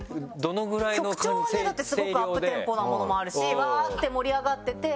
曲調はねだってスゴくアップテンポなものもあるしうわぁって盛り上がってて。